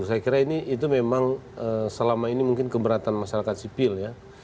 saya kira ini memang selama ini mungkin keberatan masyarakat sipil ya